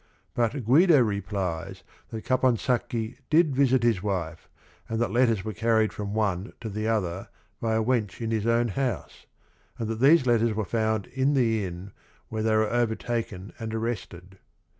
But Guido replies that Caponsacchi did visit his wife and that letters were carried from one to the other by a wench in his own house, and that these letters were found in the inn where they were overtaken and arrested.